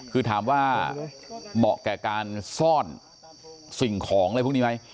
คือถามว่าเหมาะแก่การซ่อนสิ่งของอะไรพวกนี้ไหม